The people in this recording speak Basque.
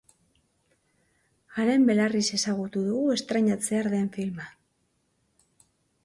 Haren belarriz ezagutu dugu estreinatzear den filma.